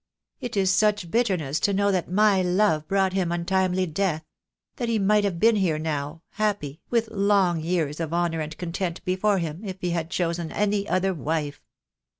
It is such bitterness to know that my love brought him untimely death — that he might have been here now, happy, with long years of honour and content before him if he had chosen any other wife."